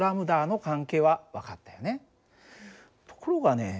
ところがね